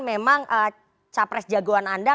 memang capres jagoan anda